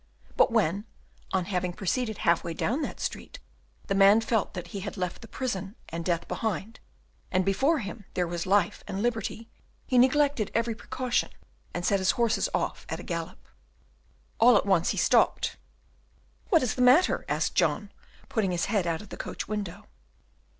But when, on having proceeded half way down that street, the man felt that he had left the prison and death behind, and before him there was life and liberty, he neglected every precaution, and set his horses off at a gallop. All at once he stopped. "What is the matter?" asked John, putting his head out of the coach window.